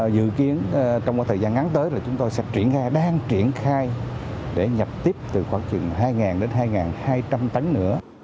dự kiến trong khoảng thời gian ngắn tới là chúng tôi sẽ triển khai đang triển khai để nhập tiếp từ khoảng chừng hai đến hai hai trăm linh tấn nữa